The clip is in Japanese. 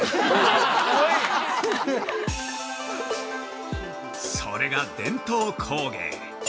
◆それが伝統工芸！